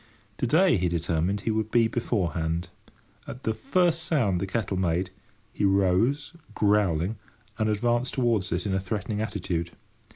To day he determined he would be beforehand. At the first sound the kettle made, he rose, growling, and advanced towards it in a threatening attitude.